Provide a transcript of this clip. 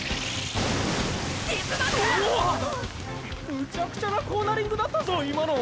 ムチャクチャなコーナリングだったぞ今の！